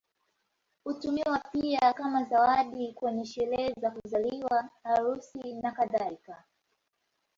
Hutumiwa pia kama zawadi kwenye sherehe za kuzaliwa, harusi, nakadhalika.